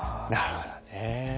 なるほどね。